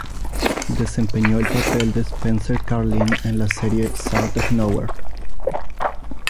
Desempeñó el papel de Spencer Carlin en la serie "South of nowhere".